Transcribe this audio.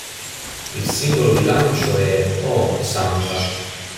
Il singolo di lancio è "Oh Santa!".